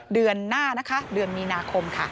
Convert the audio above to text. เดือนหน้านะคะเดือนมีนาคมค่ะ